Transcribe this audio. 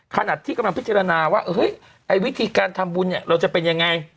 ขนาดที่กำลังพิจารณาว่าเฮ้ยไอ้วิธีการทำบุญเนี่ยเราจะเป็นยังไง